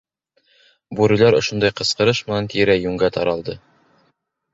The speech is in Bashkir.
— Бүреләр ошондай ҡысҡырыш менән тирә-йүнгә таралды.